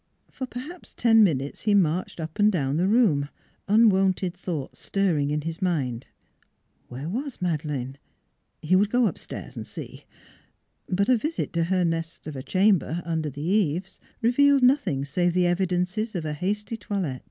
For perhaps ten minutes he marched up and down the room, unwonted thoughts stirring in his mind. ... Where was Madeleine? He would go upstairs and see. But a visit to her nest of a chamber under the eaves revealed nothing save the evidences of a hasty toilet.